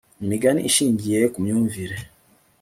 imigani ishingiye ku myumvire